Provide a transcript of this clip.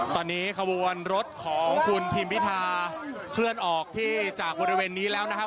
ตอนนี้ขบวนรถของคุณทิมพิธาเคลื่อนออกที่จากบริเวณนี้แล้วนะครับ